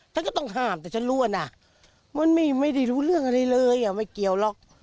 ท่านก็ต้องห้ามแต่ฉันรู้ว่านะมันไม่ได้รู้เรื่องอะไรเลยไม่เกี่ยวหรอก